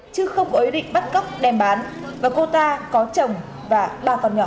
chứ không có ý định bắt cóc đem bán và cô ta có chồng và ba con nhỏ